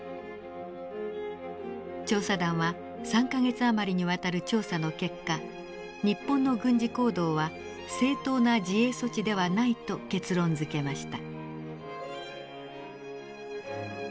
調査団は３か月余りにわたる調査の結果日本の軍事行動は正当な自衛措置ではないと結論づけました。